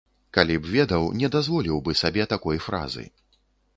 Калі б ведаў, не дазволіў бы сабе такой фразы.